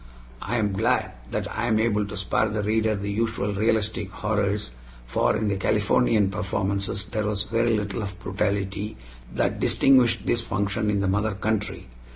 I am glad that I am able to spare the reader the usual realistic horrors, for in the Californian performances there was very little of the brutality that distinguished this function in the mother country.